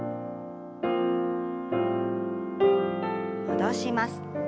戻します。